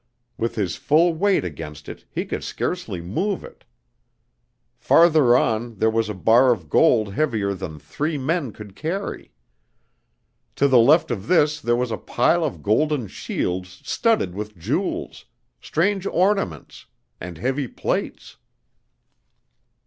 With his full weight against it, he could scarcely move it. Farther on there was a bar of gold heavier than three men could carry. To the left of this there was a pile of golden shields studded with jewels, strange ornaments, and heavy plates.